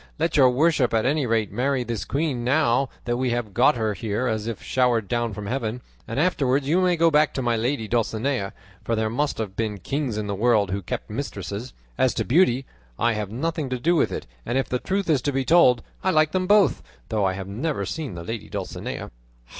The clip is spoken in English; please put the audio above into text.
Let your worship at any rate marry this queen, now that we have got her here as if showered down from heaven, and afterwards you may go back to my lady Dulcinea; for there must have been kings in the world who kept mistresses. As to beauty, I have nothing to do with it; and if the truth is to be told, I like them both; though I have never seen the lady Dulcinea."